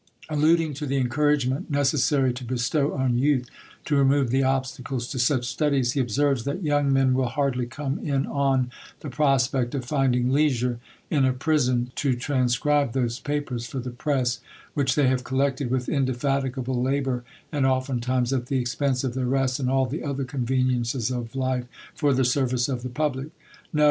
Alluding to the encouragement necessary to bestow on youth, to remove the obstacles to such studies, he observes, that "young men will hardly come in on the prospect of finding leisure, in a prison, to transcribe those papers for the press, which they have collected with indefatigable labour, and oftentimes at the expense of their rest, and all the other conveniences of life, for the service of the public. No!